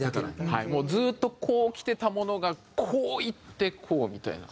ずっとこうきてたものがこういってこうみたいな。